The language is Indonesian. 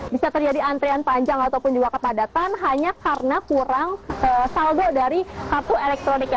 bisa terjadi antrian panjang ataupun juga kepadatan hanya karena kurang saldo dari kartu elektroniknya